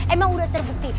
emang udah terbukti